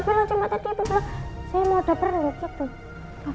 saya mau dapet lagi tuh